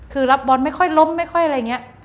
คือรับบอลไม่ค่อยล้มไม่ค่อยอะไรอย่างนี้